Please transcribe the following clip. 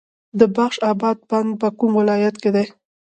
د بخش اباد بند په کوم ولایت کې دی؟